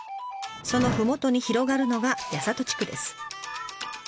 そのふもとに広がるのが八郷地区です。